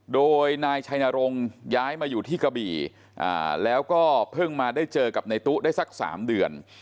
โดยนายชัยนรงค์ย้ายมาอยู่ที่กะบี่แล้วก็เพิ่งมาได้เจอกับในตู้ได้สัก๓เดือน